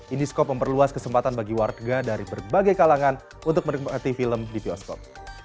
indiscope memperluas kesempatan bagi warga dari berbagai kalangan untuk menikmati film di bioskop